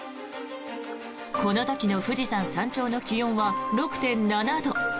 この時の富士山山頂の気温は６．７度。